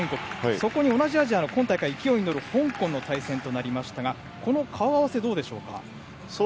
そこに同じアジアの今大会、勢いに乗る香港の対戦となりましたがこの顔合わせ、どうでしょうか。